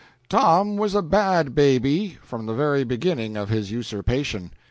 "Tom" was a bad baby, from the very beginning of his usurpation.